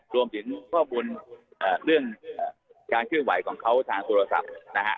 รวมถึงข้อมูลเรื่องการเคลื่อนไหวของเขาทางโทรศัพท์นะฮะ